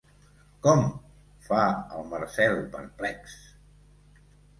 Com? —fa el Marcel, perplex.